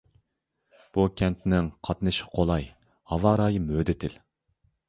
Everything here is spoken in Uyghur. بۇ كەنتنىڭ قاتنىشى قولاي، ھاۋا رايى مۆتىدىل.